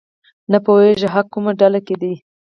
نه پوهېږي حق کومه ډله کې دی.